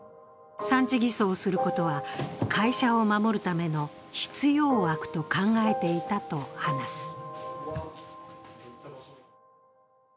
産地偽装をすることは会社を守るための必要悪と考えていたと話す。